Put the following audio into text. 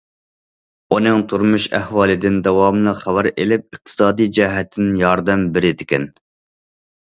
ئۇنىڭ تۇرمۇش ئەھۋالىدىن داۋاملىق خەۋەر ئېلىپ، ئىقتىسادىي جەھەتتىن ياردەم بېرىدىكەن.